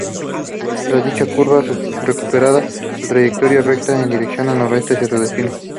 Tras dicha curva, recuperaba su trayectoria recta en dirección noroeste hacia su destino.